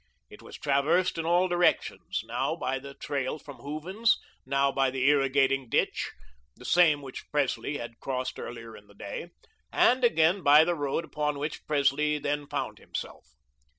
It was traversed in all directions, now by the trail from Hooven's, now by the irrigating ditch the same which Presley had crossed earlier in the day and again by the road upon which Presley then found himself.